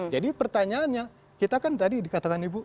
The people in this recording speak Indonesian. jadi pertanyaannya kita kan tadi dikatakan ibu